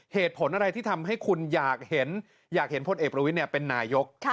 เหตุผลอะไรที่ทำให้คุณอยากเห็นพลเอกประวิทย์เป็นนายก